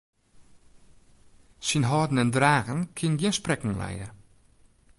Syn hâlden en dragen kin gjin sprekken lije.